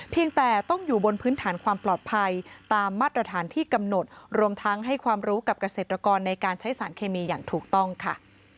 เพียงแต่ต้องอยู่บนพื้นฐานความปลอดภัยตามมาตรฐานที่กำหนดรวมทั้งให้ความรู้กับเกษตรกรในการใช้สารเคมีอย่างถูกต้องค่ะ